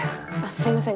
すいません。